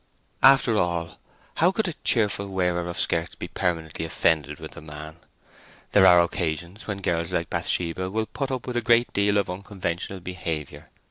After all, how could a cheerful wearer of skirts be permanently offended with the man? There are occasions when girls like Bathsheba will put up with a great deal of unconventional behaviour.